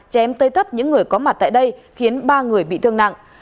chém tới thấp những người có mặt tại đây khiến ba người bị thương nặng